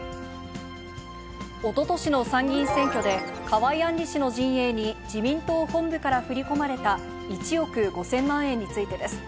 おととしの参議院選挙で、河井案里氏の陣営に自民党本部から振り込まれた１億５０００万円についてです。